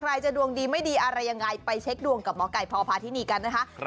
ใครจะดวงดีไม่ดีอะไรยังไงไปเช็คดวงกับหมอไก่พพาธินีกันนะคะ